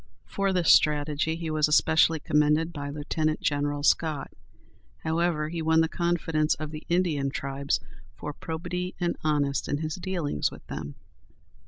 For this strategy, he was especially commended by Lieutenant General Scott. However, he won the confidence of the Indian tribes for probity and honesty in his dealings with them.